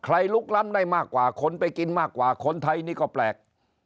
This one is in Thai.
ลุกล้ำได้มากกว่าคนไปกินมากกว่าคนไทยนี่ก็แปลก